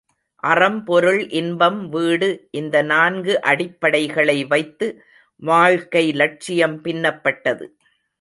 அறம் பொருள் இன்பம் வீடு இந்த நான்கு அடிப்படைகளை வைத்து வாழ்க்கை லட்சியம் பின்னப்பட்டது.